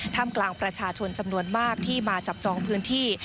กลางประชาชนจำนวนมากที่มาจับจองพื้นที่